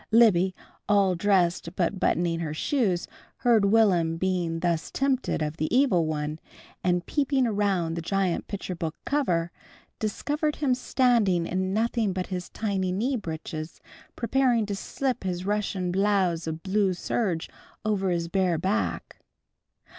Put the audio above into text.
Libby, all dressed but buttoning her shoes, heard Will'm being thus tempted of the Evil One, and peeping around the giant picture book cover, discovered him standing in nothing but his tiny knee breeches, preparing to slip his Russian blouse of blue serge over his bare back.